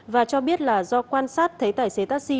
và cho biết là do quan sát thấy tài xế taxi